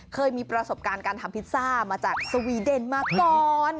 เคยมีประสบการณ์การทำพิซซ่ามาจากสวีเดนมาก่อน